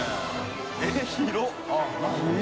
えっ広い！